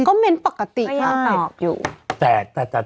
ก็คือยัง